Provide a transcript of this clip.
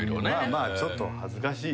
まあちょっと恥ずかしい。